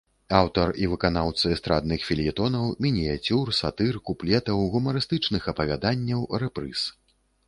Аўтар і выканаўца эстрадных фельетонаў, мініяцюр, сатыр, куплетаў, гумарыстычных апавяданняў, рэпрыз.